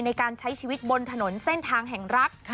ในการใช้ชีวิตบนถนนเส้นทางแห่งรัฐ